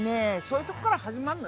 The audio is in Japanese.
そういうところから始まんのよね。